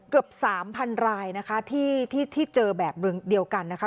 เกือบ๓๐๐รายนะคะที่เจอแบบเดียวกันนะคะ